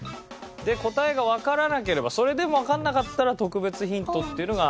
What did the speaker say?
で答えがわからなければそれでもわからなかったら特別ヒントっていうのが。